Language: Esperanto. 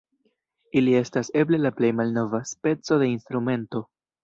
Ili estas eble la plej malnova speco de instrumento.